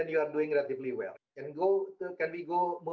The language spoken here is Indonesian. saya sendiri saya telah datang ke jakarta